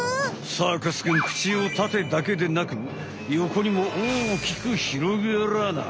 サーカスくん口をタテだけでなくヨコにも大きくひろげらぁな。